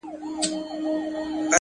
علم د حقیقت پېژندلو وسیله ده،